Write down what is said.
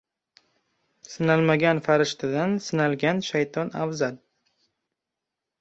• Sinalmagan farishtadan sinalgan shayton afzal.